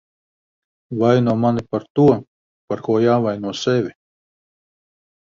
Vaino mani par to, par ko jāvaino sevi.